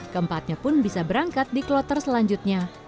keempatnya pun bisa berangkat di kloter selanjutnya